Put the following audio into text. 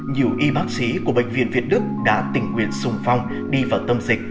nhiều y bác sĩ của bệnh viện việt đức đã tình nguyện sùng phong đi vào tâm dịch